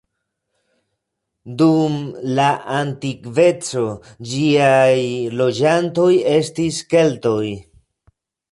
Dum la antikveco ĝiaj loĝantoj estis Keltoj.